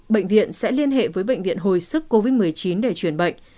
bệnh viện sẽ liên hệ với bệnh viện hồi sức covid một mươi chín để chuyển bệnh